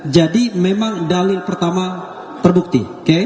jadi memang dalil pertama terbukti